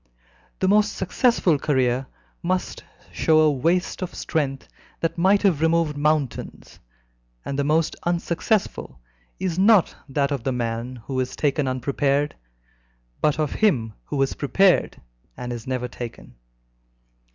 The most successful career must show a waste of strength that might have removed mountains, and the most unsuccessful is not that of the man who is taken unprepared, but of him who has prepared and is never taken.